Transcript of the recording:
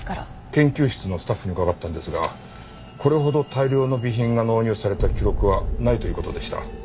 研究室のスタッフに伺ったんですがこれほど大量の備品が納入された記録はないという事でした。